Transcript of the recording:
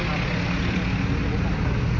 อ่อสวัสดีค่ะ